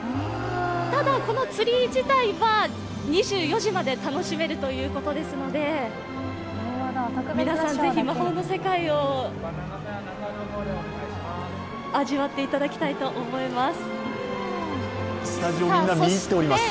ただ、このツリー自体は２４時まで楽しめるということですので皆さん、ぜひ魔法の世界を味わっていただきたいと思います。